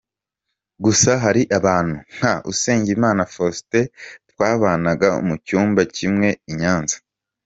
Gusa hari abantu nka Usengimana Faustin twabanaga mu cyumba kimwe i Nyanza.